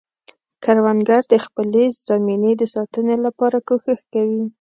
کروندګر د خپلې زمینې د ساتنې لپاره کوښښ کوي